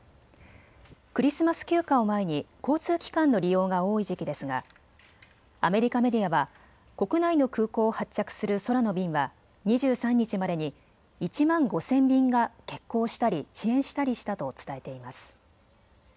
クリスマス休暇を前に交通機関の利用が多い時期ですがアメリカメディアは国内の空港を発着する空の便は２３日までに１万５０００便が欠航したり遅延したりしたと伝えています。